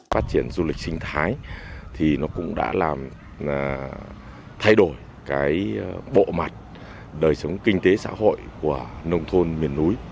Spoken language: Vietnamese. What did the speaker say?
phát triển du lịch sinh thái thì nó cũng đã làm thay đổi cái bộ mặt đời sống kinh tế xã hội của nông thôn miền núi